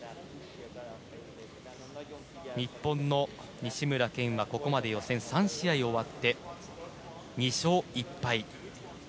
日本の西村拳がここまで予選３試合を終わって２勝１敗。